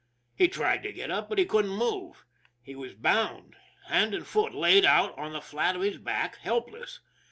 He tried to get up, but he couldn't move. He was bound hand and foot, laid out on the flat of his back helpless.